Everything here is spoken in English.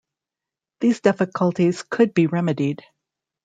These difficulties could be remedied.